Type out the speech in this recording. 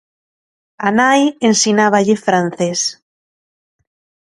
A nai ensináballe francés.